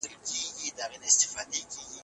سفیران چیرته د اقلیتونو حقونه لټوي؟